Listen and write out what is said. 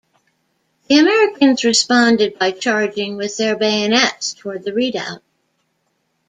The Americans responded by charging with their bayonets towards the redoubt.